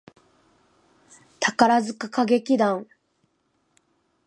宝塚歌劇団